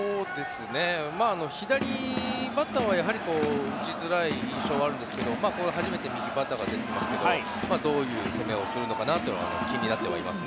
左バッターは、やはり打ちづらい印象はあるんですが初めて右バッターが出てきますがどういう攻めをするのかなというのが気になってはいます。